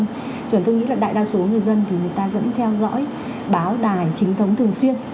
nhưng tôi nghĩ là đại đa số người dân thì người ta vẫn theo dõi báo đài chính thống thường xuyên